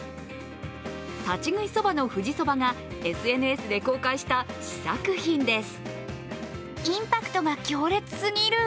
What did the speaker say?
立ち食いそばの富士そばがＳＮＳで公開した試作品です。